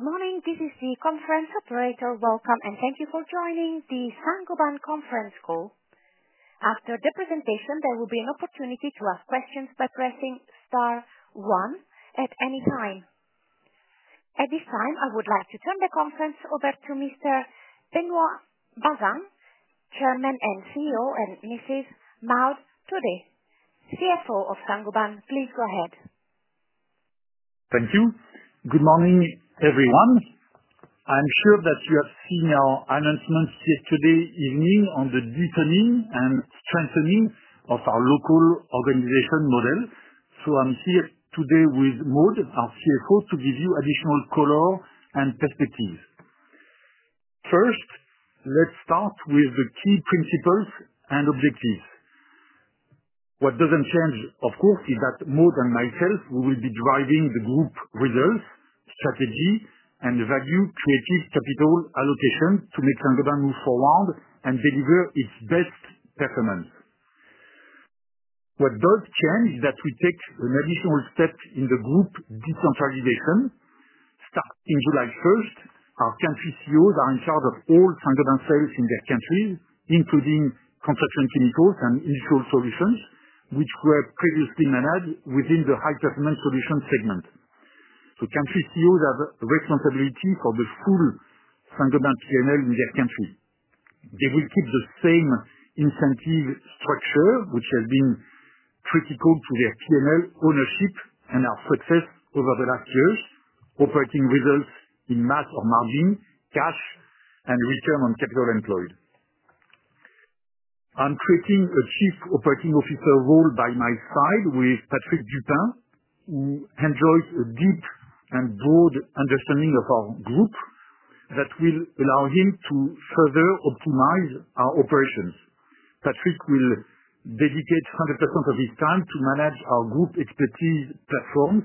Morning, this is the conference operator, welcome, and thank you for joining the Saint-Gobain Conference Call. After the presentation, there will be an opportunity to ask questions by pressing star one at any time. At this time, I would like to turn the conference over to Mr. Benoit Bazin, Chairman and CEO, and Mrs. Maud Thuaudet, CFO of Saint-Gobain. Please go ahead. Thank you. Good morning, everyone. I'm sure that you have seen our announcements yesterday evening on the deepening and strengthening of our local organization model. I am here today with Maud, our CFO, to give you additional color and perspective. First, let's start with the key principles and objectives. What does not change, of course, is that Maud and myself, we will be driving the group results, strategy, and value-creative capital allocation to make Saint-Gobain move forward and deliver its best performance. What does change is that we take an additional step in the group decentralization. Starting July 1, our country CEOs are in charge of all Saint-Gobain sales in their countries, including construction chemicals and industrial solutions, which were previously managed within the High-Performance Solutions segment. Country CEOs have a responsibility for the full Saint-Gobain P&L in their country. They will keep the same incentive structure, which has been critical to their P&L ownership and our success over the last years, operating results in mass or margin, cash, and return on capital employed. I'm creating a Chief Operating Officer role by my side with Patrick Dupin, who enjoys a deep and broad understanding of our group that will allow him to further optimize our operations. Patrick will dedicate 100% of his time to manage our group expertise platforms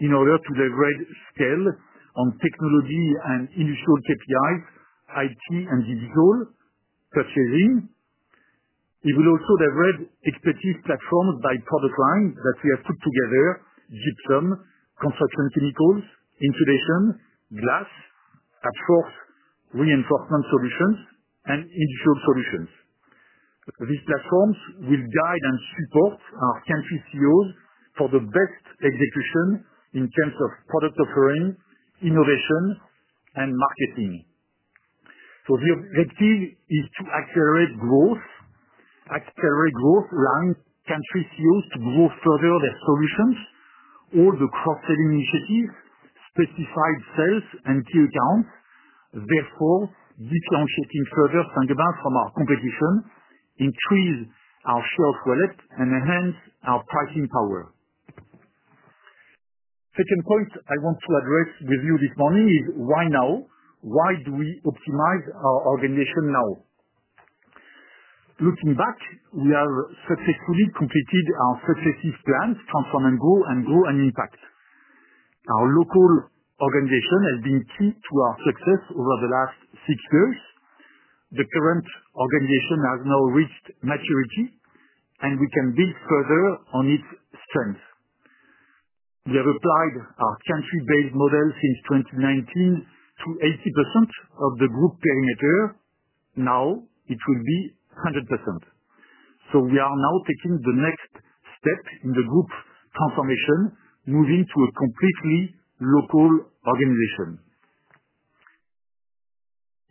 in order to leverage scale on technology and initial KPIs, IT and digital purchasing. He will also leverage expertise platforms by product lines that we have put together: gypsum, construction chemicals, insulation, glass, ADFORS reinforcement solutions, and industrial solutions. These platforms will guide and support our country CEOs for the best execution in terms of product offering, innovation, and marketing. The objective is to accelerate growth, accelerate growth around country CEOs to grow further their solutions, all the cross-selling initiatives, specified sales, and key accounts, therefore differentiating further Saint-Gobain from our competition, increase our share of wallet, and enhance our pricing power. The second point I want to address with you this morning is why now? Why do we optimize our organization now? Looking back, we have successfully completed our successive plans: Transform and Grow, and Grow and Impact. Our local organization has been key to our success over the last six years. The current organization has now reached maturity, and we can build further on its strengths. We have applied our country-based model since 2019 to 80% of the group perimeter. Now, it will be 100%. We are now taking the next step in the group transformation, moving to a completely local organization.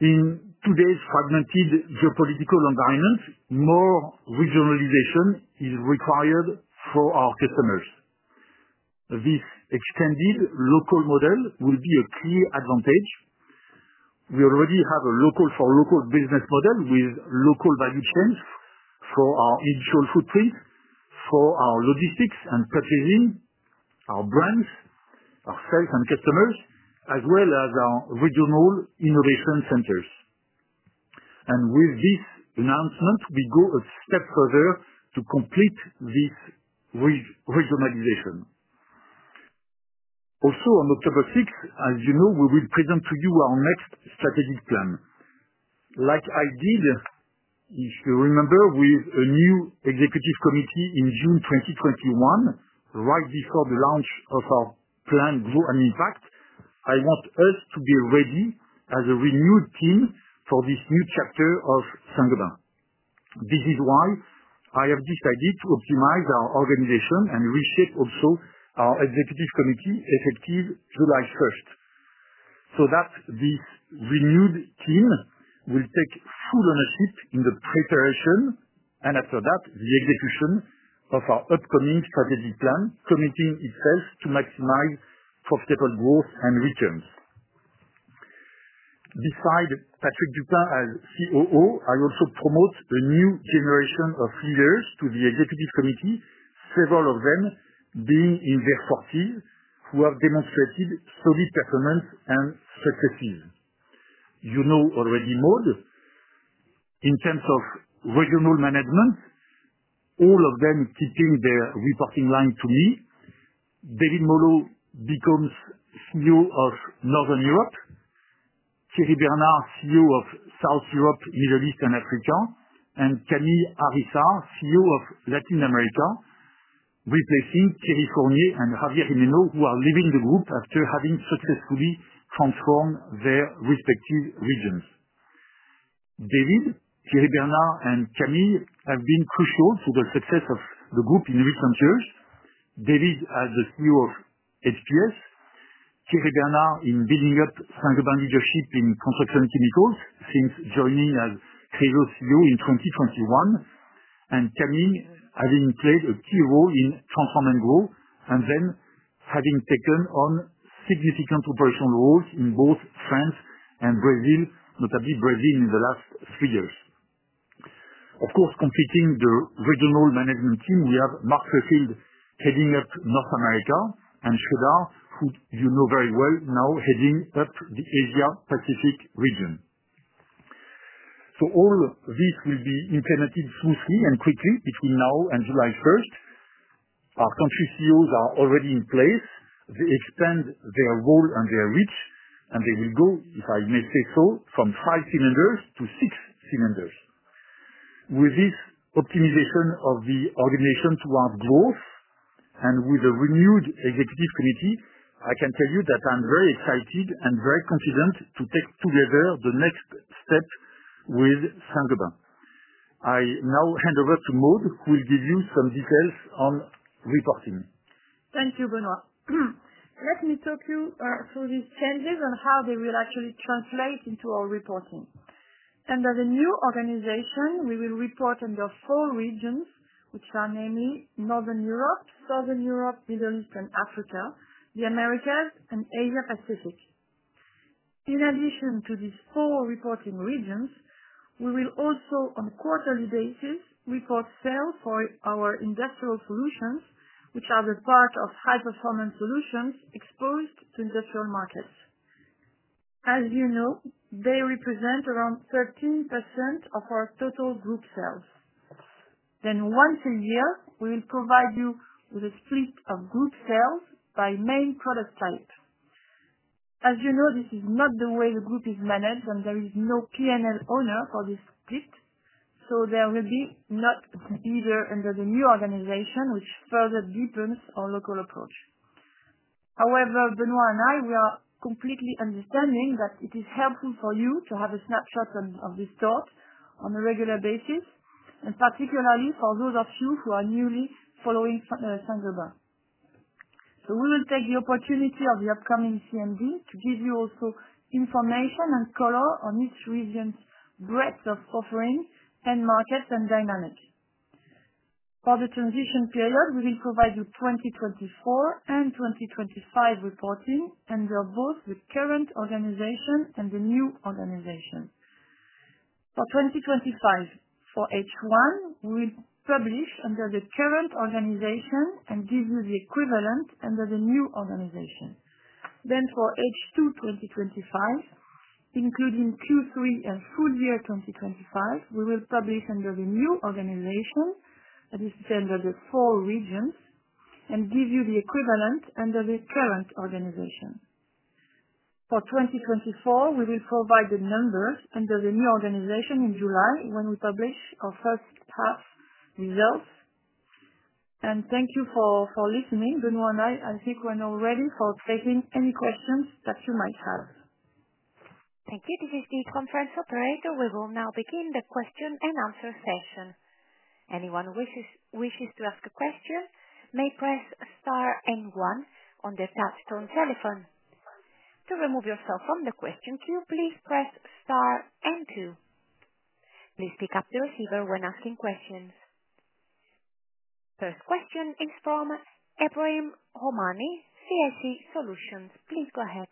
In today's fragmented geopolitical environment, more regionalization is required for our customers. This extended local model will be a key advantage. We already have a local-for-local business model with local value chains for our initial footprint, for our logistics and purchasing, our brands, our sales and customers, as well as our regional innovation centers. With this announcement, we go a step further to complete this regionalization. Also, on October 6th, as you know, we will present to you our next strategic plan. Like I did, if you remember, with a new executive committee in June 2021, right before the launch of our plan, Grow and Impact, I want us to be ready as a renewed team for this new chapter of Saint-Gobain. This is why I have decided to optimize our organization and reshape also our executive committee effective July 1, so that this renewed team will take full ownership in the preparation and, after that, the execution of our upcoming strategic plan, committing itself to maximize profitable growth and returns. Beside Patrick Dupin as COO, I also promote a new generation of leaders to the executive committee, several of them being in their 40s who have demonstrated solid performance and successes. You know already Maud. In terms of regional management, all of them keeping their reporting line to me. David Mollo becomes CEO of Northern Europe, Thierry Bernard, CEO of Southern Europe, Middle East, and Africa, and Camille Arissa, CEO of Latin America, replacing Thierry Fournier and Javier Gimeno, who are leaving the group after having successfully transformed their respective regions. David, Thierry Bernard, and Camille have been crucial to the success of the group in recent years. David as the CEO of HPS, Thierry Bernard in building up Saint-Gobain leadership in construction chemicals since joining as CEO in 2021, and Camille having played a key role in Transform and Grow, and then having taken on significant operational roles in both France and Brazil, notably Brazil in the last three years. Of course, completing the regional management team, we have Mark Rayfield heading up North America and Sreedhar, who you know very well now, heading up the Asia-Pacific region. All this will be implemented smoothly and quickly between now and July 1st. Our country CEOs are already in place. They expand their role and their reach, and they will go, if I may say so, from five cylinders to six cylinders. With this optimization of the organization towards growth and with a renewed executive committee, I can tell you that I'm very excited and very confident to take together the next step with Saint-Gobain. I now hand over to Maud, who will give you some details on reporting. Thank you, Benoit. Let me talk you through these changes and how they will actually translate into our reporting. Under the new organization, we will report under four regions, which are namely Northern Europe, Southern Europe, Middle East, and Africa, the Americas, and Asia-Pacific. In addition to these four reporting regions, we will also, on a quarterly basis, report sales for our industrial solutions, which are the part of High-Performance Solutions exposed to industrial markets. As you know, they represent around 13% of our total group sales. Then, once a year, we will provide you with a split of group sales by main product type. As you know, this is not the way the group is managed, and there is no P&L owner for this split, so there will be not either under the new organization, which further deepens our local approach. However, Benoit and I, we are completely understanding that it is helpful for you to have a snapshot of this thought on a regular basis, and particularly for those of you who are newly following Saint-Gobain. We will take the opportunity of the upcoming CMD to give you also information and color on each region's breadth of offering, end markets, and dynamic. For the transition period, we will provide you 2024 and 2025 reporting under both the current organization and the new organization. For 2025, for H1, we will publish under the current organization and give you the equivalent under the new organization. For H2 2025, including Q3 and full year 2025, we will publish under the new organization, as I said, under the four regions, and give you the equivalent under the current organization. For 2024, we will provide the numbers under the new organization in July when we publish our first half results. Thank you for listening, Benoit and I. I think we're now ready for taking any questions that you might have. Thank you. This is the conference operator. We will now begin the question and answer session. Anyone who wishes to ask a question may press star and one on their touchstone telephone. To remove yourself from the question queue, please press star and two. Please pick up the receiver when asking questions. First question is from Ebrahim Homani, CIC Solutions. Please go ahead.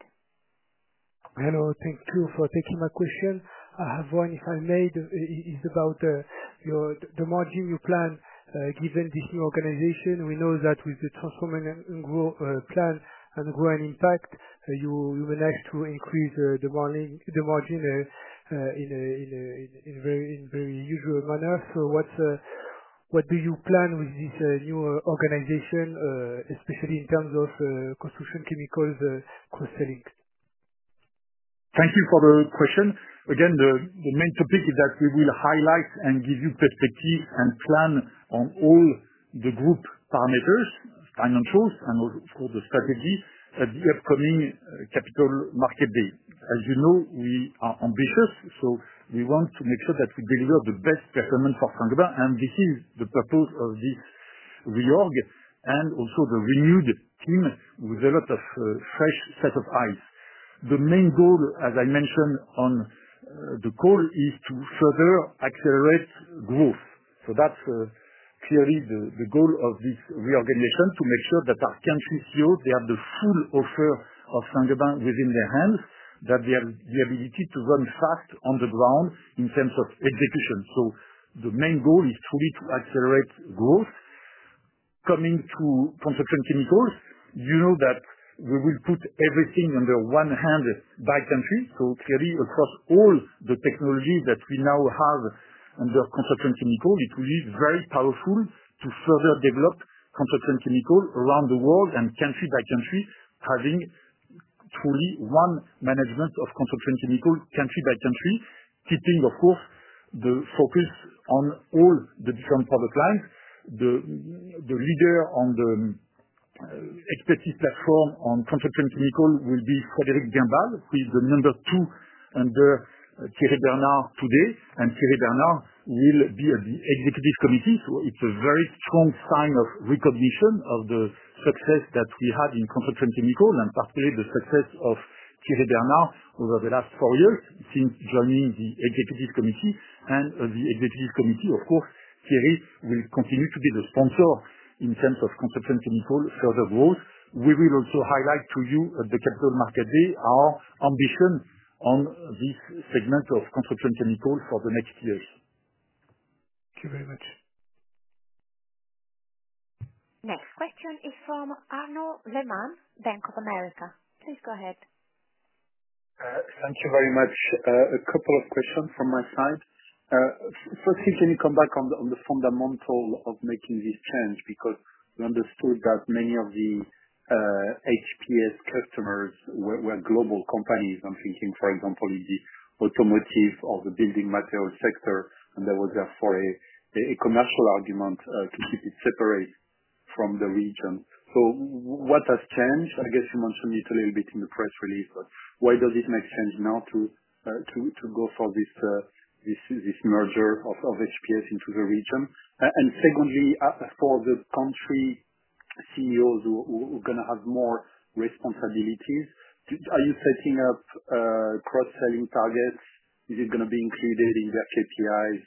Hello. Thank you for taking my question. I have one. If I may, it's about the margin you plan given this new organization. We know that with the Transform and Grow plan and Grow and Impact, you manage to increase the margin in a very usual manner. What do you plan with this new organization, especially in terms of construction chemicals cross-selling? Thank you for the question. Again, the main topic is that we will highlight and give you perspective and plan on all the group parameters, financials, and, of course, the strategy at the upcoming Capital Markets Day. As you know, we are ambitious, so we want to make sure that we deliver the best performance for Saint-Gobain, and this is the purpose of this reorg and also the renewed team with a lot of fresh sets of eyes. The main goal, as I mentioned on the call, is to further accelerate growth. That is clearly the goal of this reorganization to make sure that our country CEOs, they have the full offer of Saint-Gobain within their hands, that they have the ability to run fast on the ground in terms of execution. The main goal is truly to accelerate growth. Coming to construction chemicals, you know that we will put everything under one hand by country. Clearly, across all the technology that we now have under construction chemicals, it will be very powerful to further develop construction chemicals around the world and country by country, having truly one management of construction chemicals country by country, keeping, of course, the focus on all the different product lines. The leader on the expertise platform on construction chemicals will be Frédéric Guillebaud, who is the number two under Thierry Bernard today, and Thierry Bernard will be at the Executive Committee. It is a very strong sign of recognition of the success that we had in construction chemicals, and particularly the success of Thierry Bernard over the last four years since joining the Executive Committee. The executive committee, of course, Thierry will continue to be the sponsor in terms of construction chemical further growth. We will also highlight to you at the Capital Markets Day our ambition on this segment of construction chemicals for the next years. Thank you very much. Next question is from Arnaud Lehmann, Bank of America. Please go ahead. Thank you very much. A couple of questions from my side. Firstly, can you come back on the fundamental of making this change? Because we understood that many of the HPS customers were global companies. I'm thinking, for example, in the automotive or the building material sector, and there was therefore a commercial argument to keep it separate from the region. What has changed? I guess you mentioned it a little bit in the press release, but why does it make sense now to go for this merger of HPS into the region? Secondly, for the country CEOs who are going to have more responsibilities, are you setting up cross-selling targets? Is it going to be included in their KPIs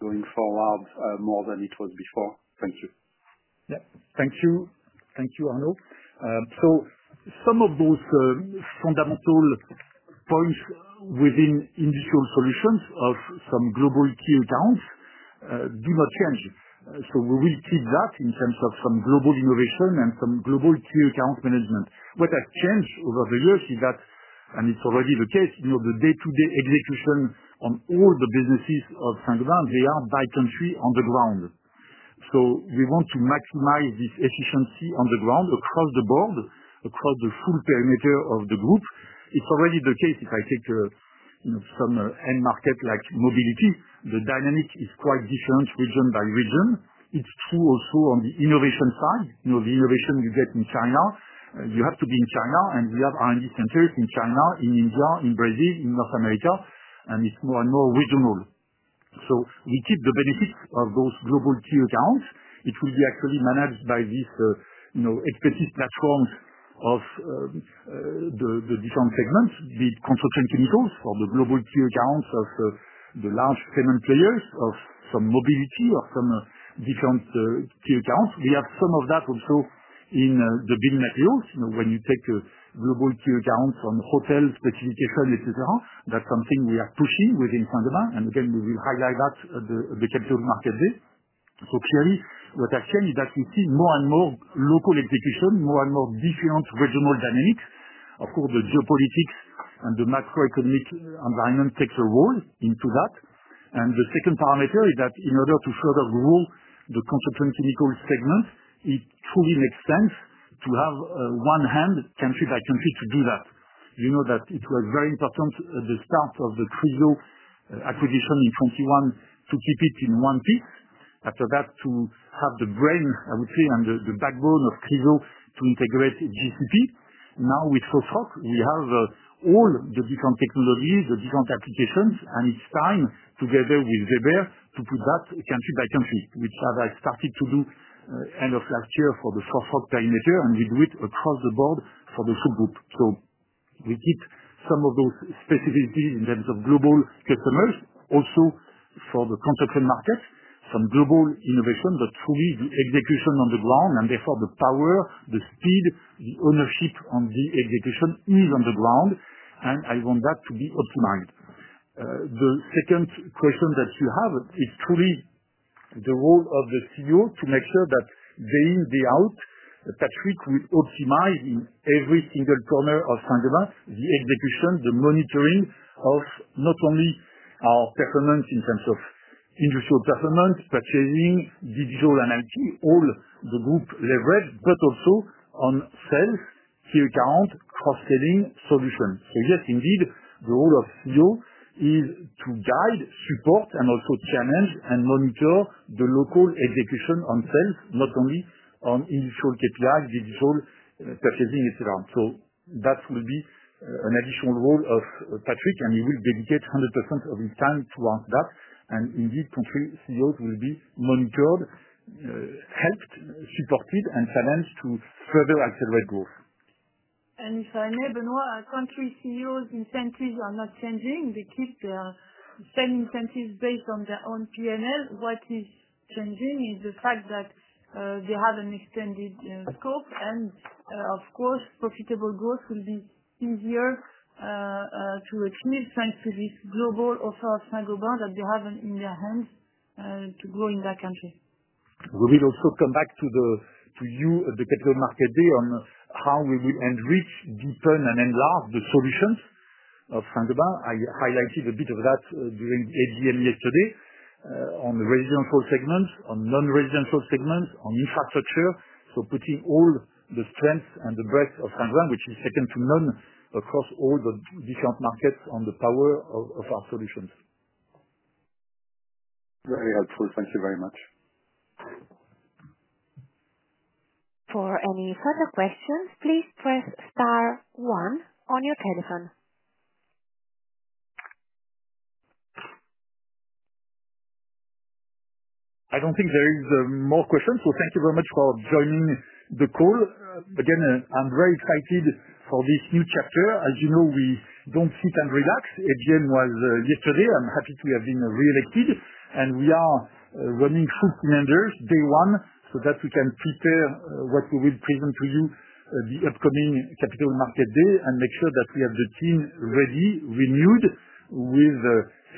going forward more than it was before? Thank you. Yeah. Thank you. Thank you, Arnaud. Some of those fundamental points within industrial solutions of some global key accounts do not change. We will keep that in terms of some global innovation and some global key account management. What has changed over the years is that, and it is already the case, the day-to-day execution on all the businesses of Saint-Gobain, they are by country on the ground. We want to maximize this efficiency on the ground across the board, across the full perimeter of the group. It is already the case. If I take some end market like mobility, the dynamic is quite different region by region. It is true also on the innovation side. The innovation you get in China, you have to be in China, and we have R&D centers in China, in India, in Brazil, in North America, and it is more and more regional. We keep the benefits of those global key accounts. It will be actually managed by these expertise platforms of the different segments, be it construction chemicals or the global key accounts of the large payment players of some mobility or some different key accounts. We have some of that also in the building materials. When you take global key accounts on hotel specification, etc., that is something we are pushing within Saint-Gobain. Again, we will highlight that at the capital market day. Clearly, what I have said is that we see more and more local execution, more and more different regional dynamics. Of course, the geopolitics and the macroeconomic environment takes a role into that. The second parameter is that in order to further grow the construction chemicals segment, it truly makes sense to have one hand country by country to do that. You know that it was very important at the start of the Chryso acquisition in 2021 to keep it in one piece. After that, to have the brain, I would say, and the backbone of Chryso to integrate GCP. Now, with FOSROC, we have all the different technologies, the different applications, and it is time together with Weber to put that country by country, which I started to do end of last year for the FOSROC perimeter, and we do it across the board for the subgroup. We keep some of those specificities in terms of global customers, also for the construction market, some global innovation, but truly the execution on the ground, and therefore the power, the speed, the ownership on the execution is on the ground, and I want that to be optimized. The second question that you have is truly the role of the CEO to make sure that day in, day out, Patrick will optimize in every single corner of Saint-Gobain, the execution, the monitoring of not only our performance in terms of industrial performance, purchasing, digital analytics, all the group leverage, but also on sales, key account, cross-selling solutions. Yes, indeed, the role of CEO is to guide, support, and also challenge and monitor the local execution on sales, not only on industrial KPIs, digital purchasing, etc. That will be an additional role of Patrick, and he will dedicate 100% of his time towards that. Indeed, country CEOs will be monitored, helped, supported, and challenged to further accelerate growth. If I may, Benoit, country CEOs' incentives are not changing. They keep their same incentives based on their own P&L. What is changing is the fact that they have an extended scope, and of course, profitable growth will be easier to achieve thanks to this global offer of Saint-Gobain that they have in their hands to grow in that country. We will also come back to you at the Capital Markets Day on how we will enrich, deepen, and enlarge the solutions of Saint-Gobain. I highlighted a bit of that during the AGM yesterday on the residential segments, on non-residential segments, on infrastructure. Putting all the strengths and the breadth of Saint-Gobain, which is second to none across all the different markets, on the power of our solutions. Very helpful. Thank you very much. For any further questions, please press star one on your telephone. I do not think there are more questions, so thank you very much for joining the call. Again, I am very excited for this new chapter. As you know, we do not sit and relax. AGM was yesterday. I am happy to have been re-elected, and we are running full cylinders day one so that we can prepare what we will present to you at the upcoming capital market day and make sure that we have the team ready, renewed with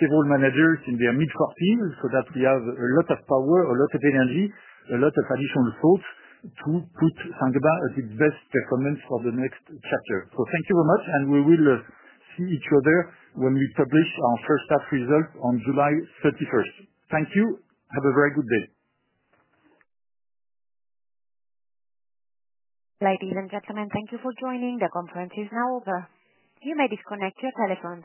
several managers in their mid-40s so that we have a lot of power, a lot of energy, a lot of additional thoughts to put Saint-Gobain at its best performance for the next chapter. Thank you very much, and we will see each other when we publish our first half results on July 31st. Thank you. Have a very good day. Ladies and gentlemen, thank you for joining. The conference is now over. You may disconnect your telephones.